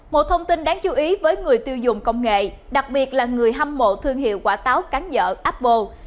một thông tin đáng chú ý với người tiêu dùng công nghệ đặc biệt là người hâm mộ thương hiệu quả táo cánh dở apple